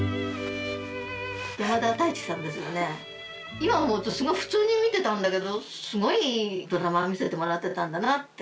今思うとすごい普通に見てたんだけどすごいいいドラマ見せてもらってたんだなって。